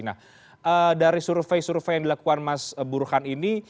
nah dari survei survei yang dilakukan mas burhan ini